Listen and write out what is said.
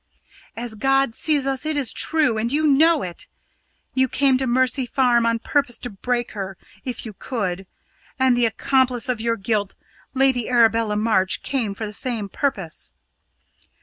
"As God sees us, it is true; and you know it. You came to Mercy Farm on purpose to break her if you could. And the accomplice of your guilt, Lady Arabella March, came for the same purpose."